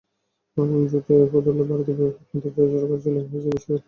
জুনে ফতুল্লায় ভারতের বিপক্ষে একমাত্র টেস্ট ড্র হয়েছিল হয়েছিল বৃষ্টির বদান্যতায়।